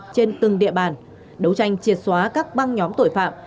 trên từng địa bàn đấu tranh triệt xóa các băng nhóm tội phạm